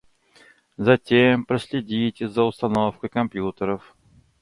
Затем проследите за установкой компьютеров.